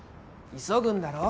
急ぐんだろ？